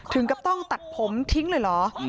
ถึงกับต้องตัดผมทิ้งเลยเหรอ